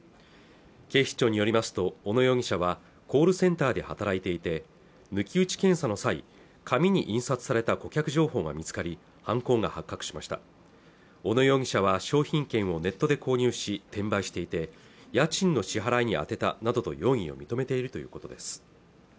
警視庁によりますと小野容疑者はコールセンターで働いていて抜き打ち検査の際紙に印刷された顧客情報が見つかり犯行が発覚しました小野容疑者は商品券をネットで購入し転売していて家賃の支払いに充てたなどと容疑を認めているということです